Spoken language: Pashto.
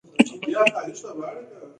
مېز له درازونو سره هم وي.